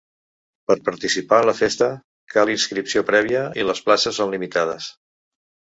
Per participar en la festa, cal inscripció prèvia i les places són limitades.